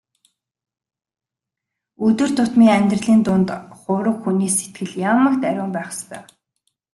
Өдөр тутмын амьдралын дунд хувраг хүний сэтгэл ямагт ариун байх ёстой.